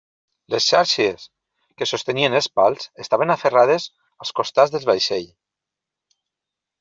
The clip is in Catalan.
Les eixàrcies que sostenien els pals estaven aferrades als costats del vaixell.